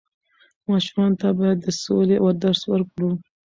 ماشومانو ته بايد د سولې درس ورکړو.